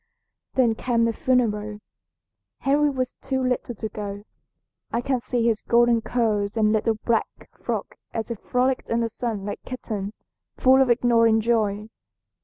"Then came the funeral. Henry was too little to go. I can see his golden curls and little black frock as he frolicked in the sun like a kitten, full of ignorant joy.